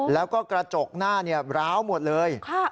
แล้วก็กระจกหน้าร้าวหมดเลย